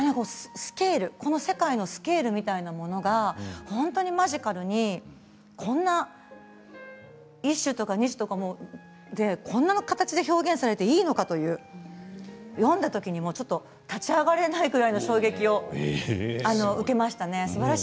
この世界のスケールみたいなものが本当にマジカルに１首とか２首とかで、こんな形で表現されていいのかと読んだときに立ち上がれないぐらいの衝撃を受けましたね。